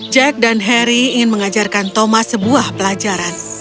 jack dan harry ingin mengajarkan thomas sebuah pelajaran